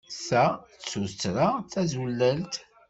Ta d tuttra tazulalt.